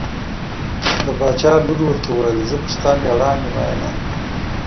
د باچا لور ورته وویل زه پر ستا مېړانې مینه یم.